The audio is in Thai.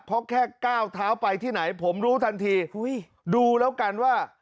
เพราะแค่ก้าวเท้าไปที่ไหนผมรู้ทันทีดูแล้วกันว่า